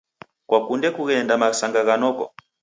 Kwakunde kuenda masanga gha noko?